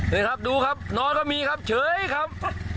นี่ครับดูครับนอนก็มีครับเฉยครับ